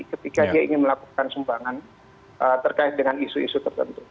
ketika dia ingin melakukan sumbangan terkait dengan isu isu tertentu